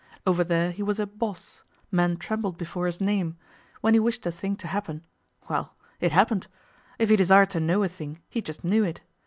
Over there he was a 'boss'; men trembled before his name; when he wished a thing to happen well, it happened; if he desired to know a thing, he just knew it.